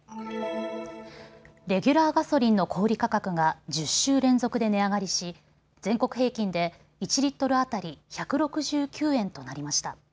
レギュラーガソリンの小売価格が１０週連続で値上がりし全国平均で１リットル当たり１６９円となりました。